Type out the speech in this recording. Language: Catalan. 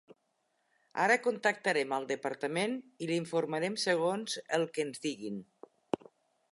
Ara contactarem al departament i l'informarem segons el que ens diguin.